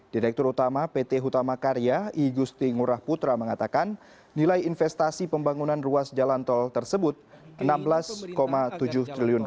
direktur utama pt hutama karya igusti ngurah putra mengatakan nilai investasi pembangunan ruas jalan tol tersebut rp enam belas tujuh triliun